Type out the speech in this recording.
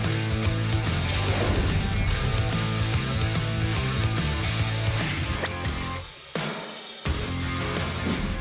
ก็จะรู้สึกว่าแบบนี้ก็ไม่มีอะไร